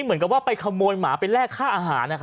เหมือนกับว่าไปขโมยหมาไปแลกค่าอาหาร